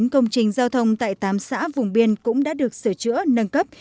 ba mươi chín công trình giao thông tại tám xã vùng biên cũng đã được sửa chữa nâng cấp